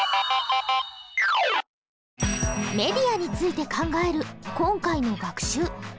メディアについて考える今回の学習。